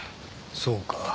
そうか。